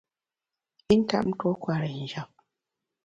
I na ntap tuo kwer i njap.